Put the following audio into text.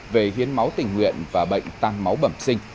về hiến máu tình nguyện và bệnh tăng máu bẩm sinh